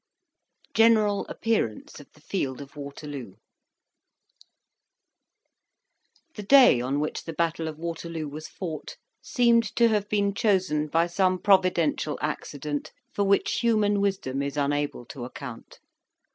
GENERAL APPEARANCE OF THE FIELD OF WATERLOO The day on which the battle of Waterloo was fought seemed to have been chosen by some providential accident for which human wisdom is unable to account.